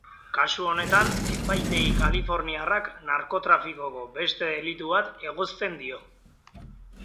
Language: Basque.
Kasu honetan, epaitegi kaliforniarrak narkotrafikoko beste delitu bat egozten dio.